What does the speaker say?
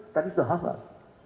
tapi sudah hafal